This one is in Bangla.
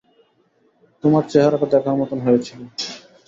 তোমার চেহারাটা দেখার মতোন হয়েছিল।